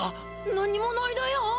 何もないだよ。